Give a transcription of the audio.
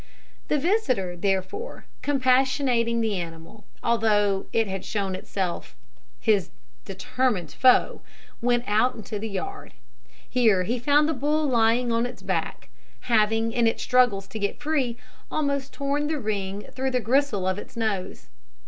The visitor, therefore, compassionating the animal, although it had shown itself his determined foe, went out into the yard. Here he found the bull lying on its back; having, in its struggles to get free, almost torn the ring through the gristle of its nose.